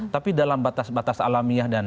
tapi dalam batas batas alamiah dan